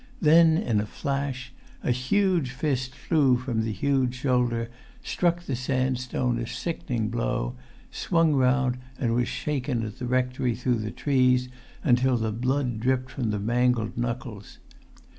Then, in a flash, a huge fist flew from the huge shoulder, struck the sandstone a sickening blow, swung round and was shaken at the rectory through the trees until the blood dripped from the mangled knuckles.